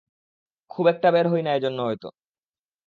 খুব-একটা বের হই না এজন্য হয়তো।